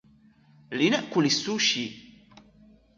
لنأكل السوشي.